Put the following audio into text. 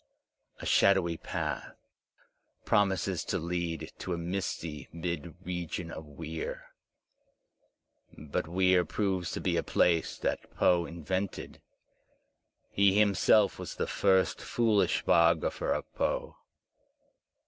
A shadowy path promises to lead to a misty mid region of Weir. But Weir proves to be a place that Poe invented. He himself was the first foolish biographer of Poe.